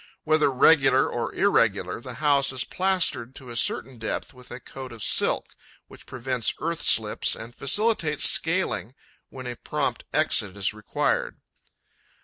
Whether regular or irregular, the house is plastered to a certain depth with a coat of silk, which prevents earth slips and facilitates scaling when a prompt exit is required.